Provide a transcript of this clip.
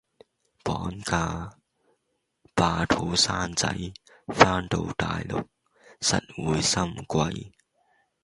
綁架，霸肚生仔，番到大陸，實會心悸